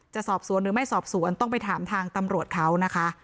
จะสอบสวนหรือไม่สอบสวนต้องไปถามทางตำรวจเขานะคะ